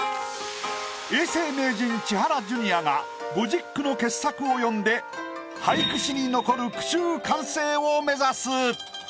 永世名人千原ジュニアが５０句の傑作を詠んで俳句史に残る句集完成を目指す。